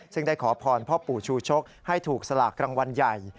ซึ่งได้ขอพรพ่อปู่ชูชกให้ถูกสลากรางวัลใหญ่